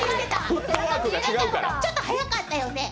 ちょっと速かったよね。